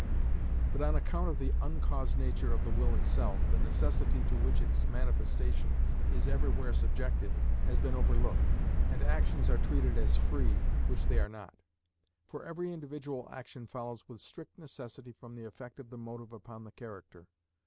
But on account of the uncaused nature of the will itself, the necessity to which its manifestation is everywhere subjected has been overlooked, and actions are treated as free, which they are not. For every individual action follows with strict necessity from the effect of the motive upon the character.